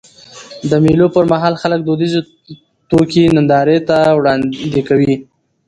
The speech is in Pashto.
د مېلو پر مهال خلک دودیزي توکي نندارې ته وړاندي کوي.